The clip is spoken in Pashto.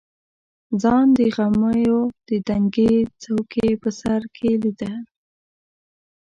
ځان د غمیو د دنګې څوکې په سر کې لیده.